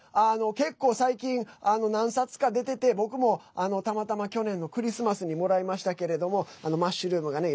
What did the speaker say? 結構、最近、何冊か出てて僕もたまたま去年のクリスマスにもらいましたけれどもマッシュルームがね